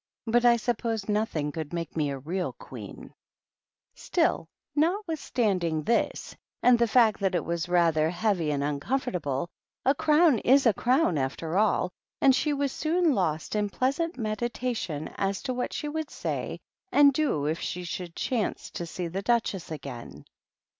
" But I suppose nothing could make me a real queen." THE RED QUEEN AND THE DUCHESS. 149 Still, notwithstanding this, and the fact that it was rather heavy and uncomfortable, a crown is a crown after all, and she was soon lost in pleasant meditation as to what she would say and do if she should chance to see the Duchess again.